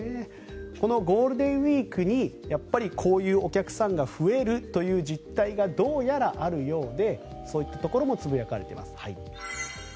このゴールデンウィークにやっぱりこういうお客さんが増えるという実態がどうやらあるようでそういったところもつぶやかれています。